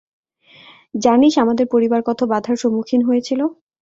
জানিস আমাদের পরিবার কত বাধার সম্মুখীন হয়েছিল?